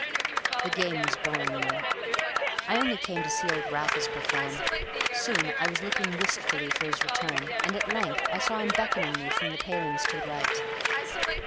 The game was boring me. I only came to see old Raffles perform. Soon I was looking wistfully for his return, and at length I saw him beckoning me from the palings to the right.